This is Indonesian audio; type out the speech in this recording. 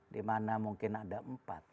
dimana mungkin ada empat